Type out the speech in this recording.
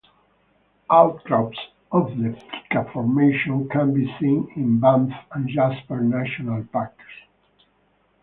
Outcrops of the Pika Formation can be seen in Banff and Jasper National Parks.